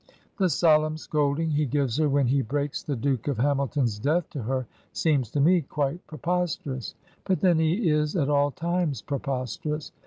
The solenm scolding he gives her when he breaks the Duke of Hamilton's death to her seems to me quite pre posterous; but then he is at all times preposterous.